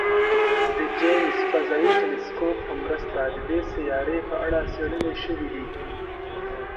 د جیمز فضايي ټیلسکوپ په مرسته د دې سیارې په اړه څېړنې شوي دي.